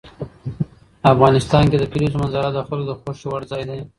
افغانستان کې د کلیزو منظره د خلکو د خوښې وړ ځای دی.